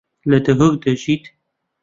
لە دهۆک دەژیت.